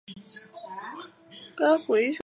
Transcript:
芳香白珠为杜鹃花科白珠树属的植物。